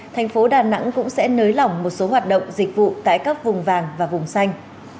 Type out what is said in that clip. thành phố đà nẵng cũng sẽ nới lỏng một số hoạt động dịch vụ tại các vùng vàng và vùng xanh